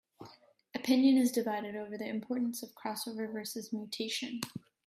Opinion is divided over the importance of crossover versus mutation.